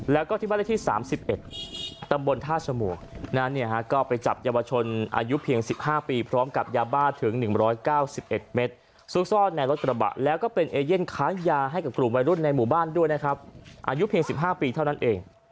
แล้วก็ที่บ้านเลขที่๓๑ตำบลท่าสมูกก็ไปจับเยาวชนอายุเพียง๑๕ปีพร้อมกับยาบ้าถึง๑๙๑เมตรซุกซ่อนในรถกระบะแล้วก็เป็นเอเย่นค้างยาให้กับกลุ่มวัยรุ่นในหมู่บ้านด้วยนะครับอายุเพียง๑๕ปีเท่านั้นเอง